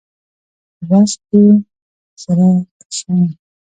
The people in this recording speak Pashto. وس دي سره کشوم